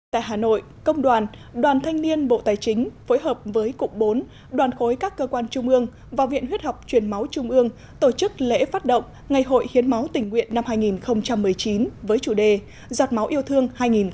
tại hà nội công đoàn đoàn thanh niên bộ tài chính phối hợp với cục bốn đoàn khối các cơ quan trung ương và viện huyết học truyền máu trung ương tổ chức lễ phát động ngày hội hiến máu tình nguyện năm hai nghìn một mươi chín với chủ đề giọt máu yêu thương hai nghìn một mươi chín